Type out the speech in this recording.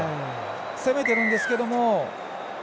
攻めているんですけども。